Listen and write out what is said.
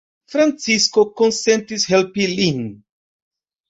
Francisko konsentis helpi lin.